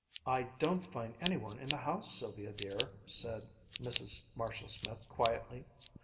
"I don't find any one in the house, Sylvia dear," said Mrs. Marshall Smith quietly.